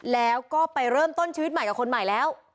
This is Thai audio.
แล้วก็ไปเริ่มต้นชีวิตใหม่กับคนใหม่แล้ว